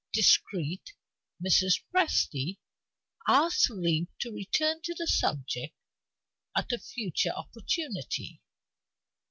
Discreet Mrs. Presty asked leave to return to the subject at a future opportunity.